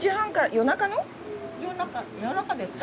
夜中夜中ですか？